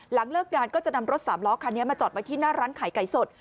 เลิกงานก็จะนำรถสามล้อคันนี้มาจอดไว้ที่หน้าร้านขายไก่สด